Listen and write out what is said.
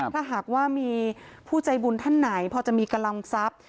ถ้าหากว่ามีผู้ใจบุญท่านไหนพอจะมีกำลังทรัพย์